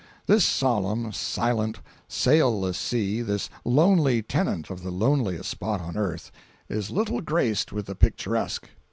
This solemn, silent, sailless sea—this lonely tenant of the loneliest spot on earth—is little graced with the picturesque.